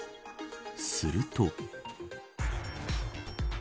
すると。